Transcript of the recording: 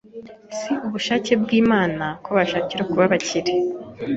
Si ubushake bw’Imana ko bashakisha kuba abakire.